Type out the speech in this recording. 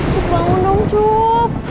cuk bangun dong cuk